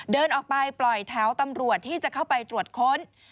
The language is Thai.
เดินออกไปปล่อยแถวตำรวจที่จะเข้าไปตรวจค้น